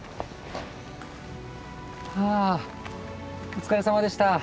はあお疲れさまでした。